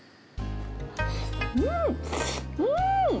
うん、うーん！